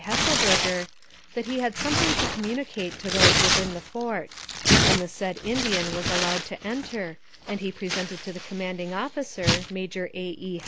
Hesselberger, that he had something to communicate to those within the fort; and the said Indian was allowed to enter, and presented to the commanding officer, Ma jor A. E.